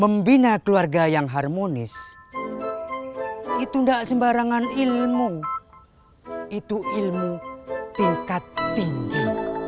membina keluarga yang harmonis itu enggak sembarangan ilmu itu ilmu tingkat tinggi